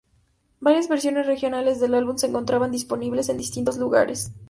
Varias versiones regionales del álbum se encontraban disponibles en distintos lugares.